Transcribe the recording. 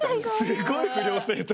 すごい不良生徒。